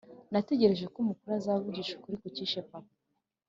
nategereje ko umukuru azavugisha ukuri kucyishe papa